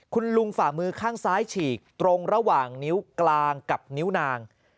คุณลุงฝ่ามือข้างซ้ายฉีกตรงระหว่างนิ้วกลางกับนิ้วนาง